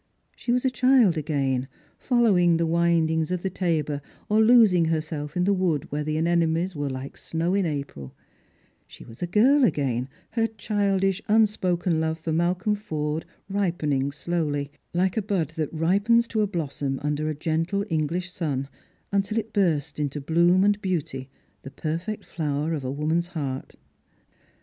She was a child again, following the windings of the Tabar, or losing herself in the wood where the anemones were like snow in April ; she was a girl again, her childish unspoken love for Malcolm Forde ripening slowly, like a bud that rijaens to a blossom under a gentle English sun, until it bursts into bloom and beauty, the perfect flower of woman's heart.